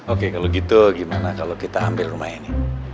oke kalau gitu gimana kalau kita ambil rumah ini